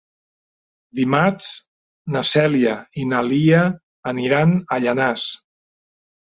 Dimarts na Cèlia i na Lia aniran a Llanars.